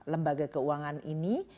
lembaga keuangan ini